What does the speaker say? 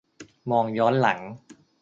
มองย้อนหลัง